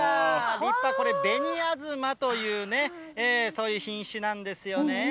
立派、これ、紅東というね、そういう品種なんですよね。